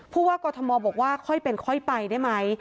ผู้ว่ากอทมบอกว่าค่อยเป็นค่อยไปได้ไหม